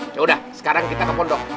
yaudah sekarang kita ke pondok